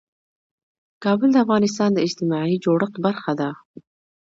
کابل د افغانستان د اجتماعي جوړښت برخه ده.